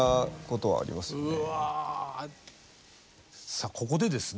さあここでですね